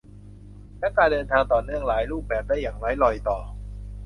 และการเดินทางต่อเนื่องหลายรูปแบบได้อย่างไร้รอยต่อ